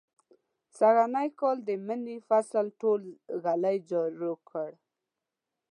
سږنی کال د مني فصل ټول ږلۍ جارو کړ.